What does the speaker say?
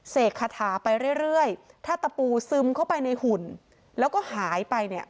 คาถาไปเรื่อยถ้าตะปูซึมเข้าไปในหุ่นแล้วก็หายไปเนี่ย